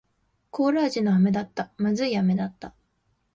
コーラ味の飴だった。不味い飴だった。